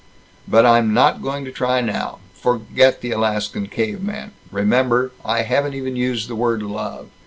"But I'm not going to try now. Forget the Alaskan caveman. Remember, I haven't even used the word 'love.'